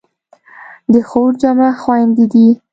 د خور جمع خویندې دي.